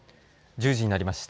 １０時になりました。